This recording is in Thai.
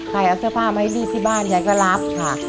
ใครเอาเสื้อผ้ามาให้รีดที่บ้านยายก็รับค่ะ